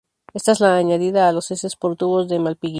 Ésta es añadida a las heces por tubos de Malpighi.